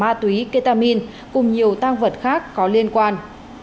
ma túy ketamin cùng nhiều tăng vật khác có liên quan